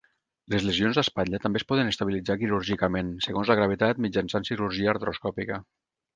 Les lesions d'espatlla també es poden estabilitzar quirúrgicament, segons la gravetat, mitjançant cirurgia artroscòpica.